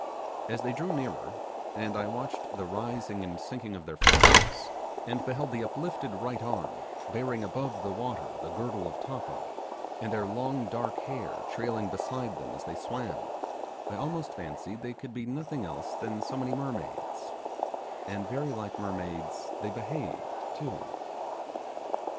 As they drew nearer, and I watched the rising and sinking of their forms, and beheld the uplifted right arm bearing above the water the girdle of tappa, and their long dark hair trailing beside them as they swam, I almost fancied they could be nothing else than so many mermaids and very like mermaids they behaved too.